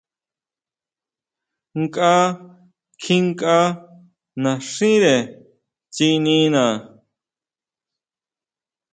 Nkʼa kjinkʼa naxínre tsinina.